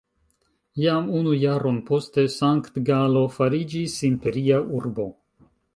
Jam unu jaron poste Sankt-Galo fariĝis imperia urbo.